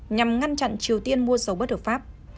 nhằm ngăn chặn triều tiên mua dầu bất hợp pháp